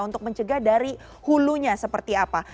untuk mencegah dari hulunya seperti apa